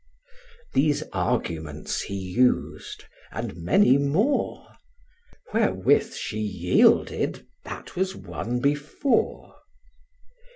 These arguments he us'd, and many more; Wherewith she yielded, that was won before.